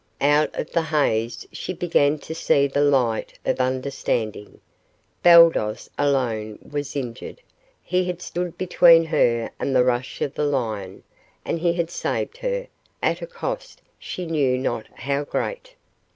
Out of the haze she began to see the light of understanding. Baldos alone was injured. He had stood between her and the rush of the lion, and he had saved her, at a cost she knew not how great.